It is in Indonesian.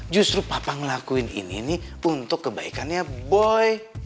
justru papa ngelakuin ini nih untuk kebaikannya boy